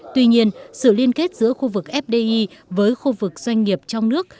tuy nhiên sự liên kết giữa khu vực fdi với khu vực doanh nghiệp trong nước